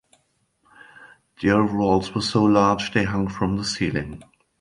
The overalls were so large they hung from the ceiling.